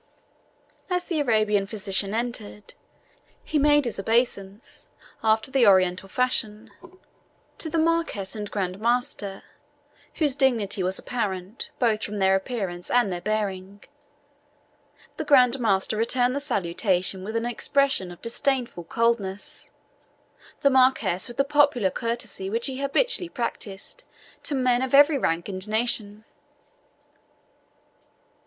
As the Arabian physician entered, he made his obeisance, after the Oriental fashion, to the Marquis and Grand Master, whose dignity was apparent, both from their appearance and their bearing. The Grand Master returned the salutation with an expression of disdainful coldness, the Marquis with the popular courtesy which he habitually practised to men of every rank and nation.